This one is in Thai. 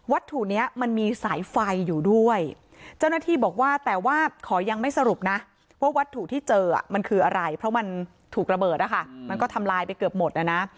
ถุนี้มันมีสายไฟอยู่ด้วยเจ้าหน้าที่บอกว่าแต่ว่าขอยังไม่สรุปนะว่าวัตถุที่เจอมันคืออะไรเพราะมันถูกระเบิดนะคะมันก็ทำลายไปเกือบหมดนะนะ